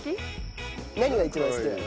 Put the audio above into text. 何が一番好きなの？